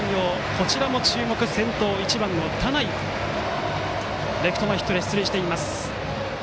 こちらも注目先頭、１番の田内がレフト前ヒットで出塁しています。